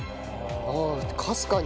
ああかすかに。